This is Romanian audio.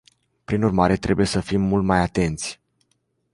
Prin urmare, trebuie să fim mult mai atenți.